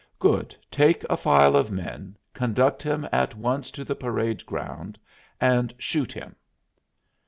"Good; take a file of men, conduct him at once to the parade ground, and shoot him."